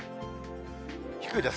低いです。